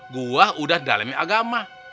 gue udah dalemi agama